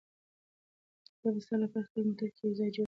زه به ستا لپاره په خپل موټر کې یو ځای جوړ کړم.